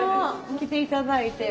来ていただいて。